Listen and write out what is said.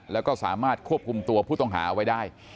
แล้วก็สามารถควบคุมตัวผู้ต้องหาไว้ได้